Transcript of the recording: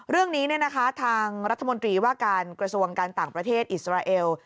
เรื่องนี้ทางรัฐมนตรีว่าการกระทรวงการต่างประเทศอิสราเอล